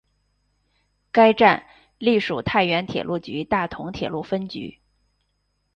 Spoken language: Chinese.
该站隶属太原铁路局大同铁路分局。